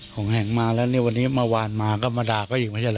ห่องแห่งมาแล้วเนี้ยวันนี้เมื่อวานมาก็มาด่าก็อยู่ไม่ใช่ล่ะ